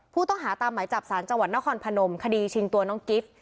ผู้ต้องหาตามหมายจับสารจังหวัดนครพนมคดีชิงตัวน้องกิฟต์